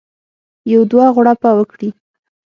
یو دوه غړپه وکړي.